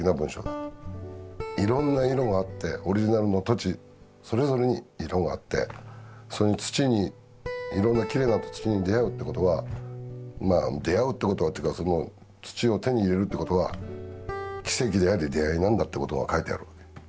いろんな色があってオリジナルの土地それぞれに色があってその土にいろんなきれいな土地に出会うってことはまあ出会うってことはというかその土を手に入れるってことは奇跡であり出会いなんだってことが書いてあるわけ。